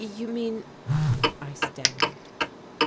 "You mean" I stammered.